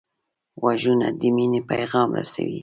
غوږونه د مینې پیغام رسوي